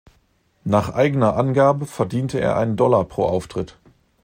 Nach eigener Angabe verdiente er einen Dollar pro Auftritt.